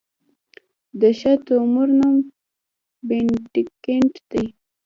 د ښه تومور نوم بېنیګنټ دی.